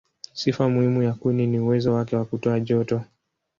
Sifa muhimu ya kuni ni uwezo wake wa kutoa joto.